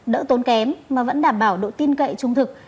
đỡ tốn kém mà vẫn đảm bảo độ tin cậy trung thực